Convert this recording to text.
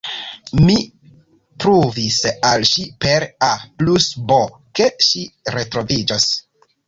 Mi pruvis al ŝi per A plus B, ke ŝi retroviĝos.